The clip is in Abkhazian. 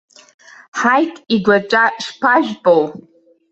Ҳаит, игәаҵәа шԥажәпоу!